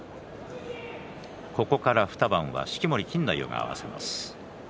ここから２番は式守錦太夫が合わせます。